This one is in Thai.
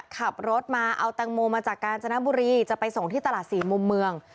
ขับรถมาเอาแตงโมมาจากกาญจนบุรีจะไปส่งที่ตลาดสี่มุมเมือง